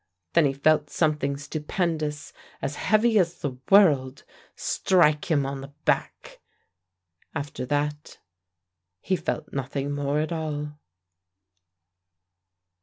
Then he felt something stupendous, as heavy as the world, strike him on the back. After that he felt nothing more at all.